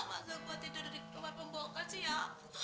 masa gua tidur di tempat pembongkar siang